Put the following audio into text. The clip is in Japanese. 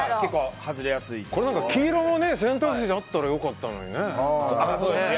黄色も選択肢にあったら良かったのにね。